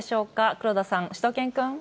黒田さん、しゅと犬くん。